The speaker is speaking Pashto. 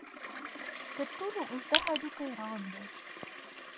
تر ټولو اوږد هډوکی ران دی.